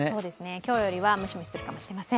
今日よりはムシムシするかもしれません。